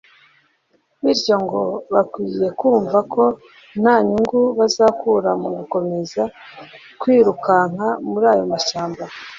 bityo ngo bakwiye kumva ko nta nyungu bazakura mu gukomeza kwirukanka muri ayo amashyamba